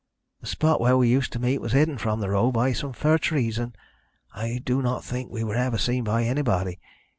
The spot where we used to meet was hidden from the road by some fir trees, and I do not think we were ever seen by anybody.